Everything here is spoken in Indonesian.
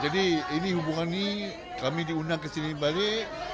jadi ini hubungan ini kami diundang ke sini balik